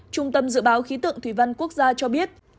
trung tâm dự báo khí tượng thủy văn quốc gia cho biết